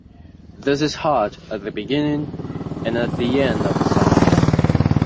This is heard at the beginning and at the end of the song.